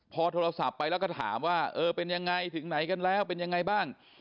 พอโทรศัพท์ไปแล้วก็ถามว่าเออเป็นยังไงถึงไหนกันแล้วเป็นยังไงบ้าง